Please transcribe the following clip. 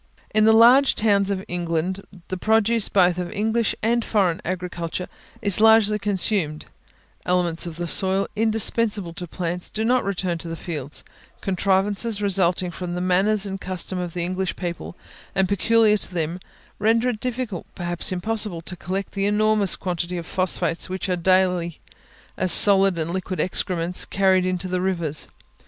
In the large towns of England the produce both of English and foreign agriculture is largely consumed; elements of the soil indispensable to plants do not return to the fields, contrivances resulting from the manners and customs of English people, and peculiar to them, render it difficult, perhaps impossible, to collect the enormous quantity of the phosphates which are daily, as solid and liquid excrements, carried into the rivers.